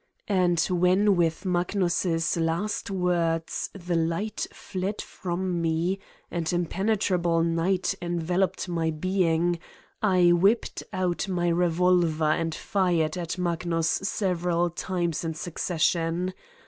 And when with Magnus ' last words the light fled from me and impenetrable night enveloped my being, I whip ped out my revolver and fired at Magnus several times in succession.